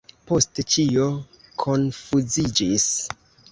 Poste ĉio konfuziĝis.